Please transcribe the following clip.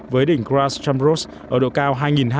với đỉnh cross chambrose ở độ cao